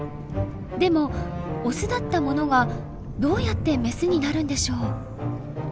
でもオスだったものがどうやってメスになるんでしょう。